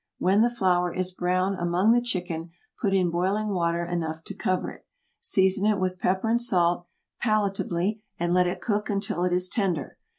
When the flour is brown among the chicken, put in boiling water enough to cover it, season it with pepper and salt, palatably, and let it cook until it is tender.